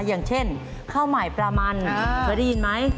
อย่างเช่นข้าวใหม่ปลามันเคยได้ยินไหม